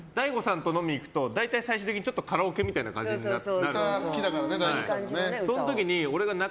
大悟さんと行くと大体最終的にちょっとカラオケみたいになって。